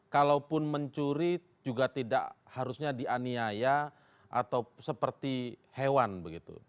kalaupun mencuri juga tidak harusnya dianiaya atau seperti hewan begitu